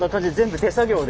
手作業で。